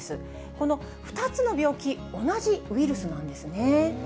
この２つの病気、同じウイルスなんですね。